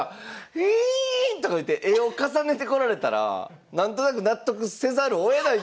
フィンとかいって絵を重ねてこられたら何となく納得せざるをえないんですよ。